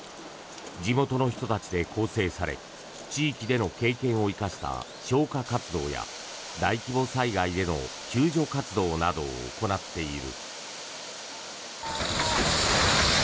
地元の人たちで構成され地域での経験を生かした消火活動や大規模災害への救助活動などを行っている。